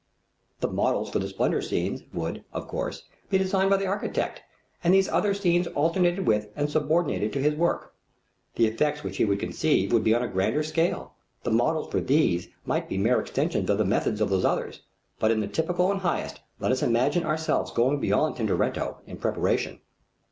The models for the splendor scenes would, of course, be designed by the architect, and these other scenes alternated with and subordinated to his work. The effects which he would conceive would be on a grander scale. The models for these might be mere extensions of the methods of those others, but in the typical and highest let us imagine ourselves going beyond Tintoretto in preparation.